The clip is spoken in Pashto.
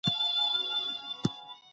ولي د تحلیل تمرین مهم دی؟